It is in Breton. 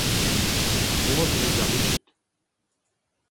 C’hoant am eus da c’houzout.